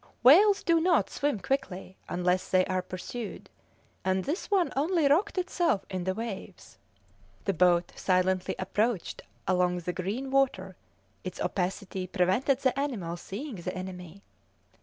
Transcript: Whales do not swim quickly unless they are pursued, and this one only rocked itself in the waves. The boat silently approached along the green water; its opacity prevented the animal seeing the enemy.